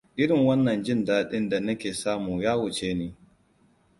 Irin wannan jin daɗin da nake samu ya wuce ni.